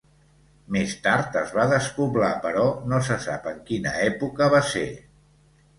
Més tard es va despoblar però no se sap en quina època va ser.